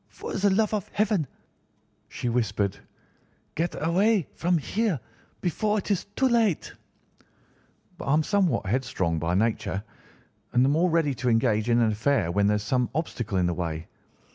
'For the love of Heaven!' she whispered, 'get away from here before it is too late!' "But I am somewhat headstrong by nature, and the more ready to engage in an affair when there is some obstacle in the way.